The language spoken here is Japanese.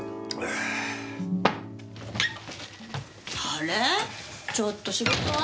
あれちょっと仕事は？